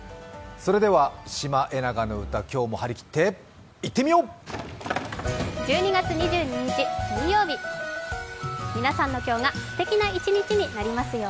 それでは「シマエナガの歌」今日も張り切っていってみよう！